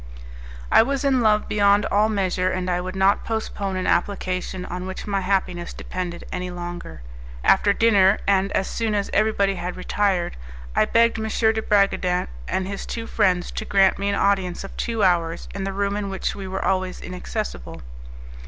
I was in love beyond all measure, and I would not postpone an application on which my happiness depended any longer. After dinner, and as soon as everybody had retired, I begged M. de Bragadin and his two friends to grant me an audience of two hours in the room in which we were always inaccessible.